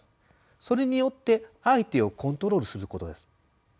それによって相手をコントロールすることです。